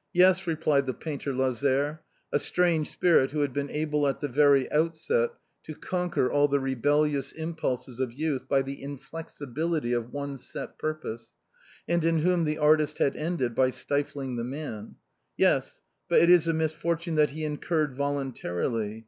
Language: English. " Yes," replied the painter Lazare, a strange spirit who had been able at the very outset to conquer all the rebellious impulses of youth by the inflexibility of one set purpose, and in whom the artist had ended by stifling the man, " yes, but it is a misfortune that he incurred voluntarily.